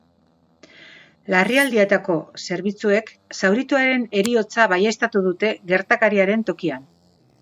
Larrialdietako zerbitzuek zaurituaren heriotza baieztatu dute gertakariaren tokian.